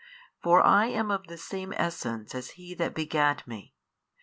For I am of the Same Essence as He That begat Me.